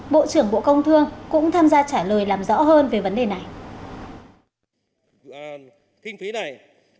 bộ trưởng bộ công thương cũng tham gia trả lời làm rõ hơn về vấn đề này